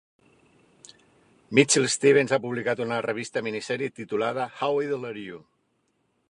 Mitchell Stevens ha publicat una petita revista mini-sèrie titulada "How idle are you?"